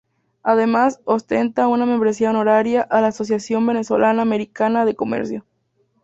Además ostenta una membresía honoraria a la Asociación Venezolana-Americana de comercio.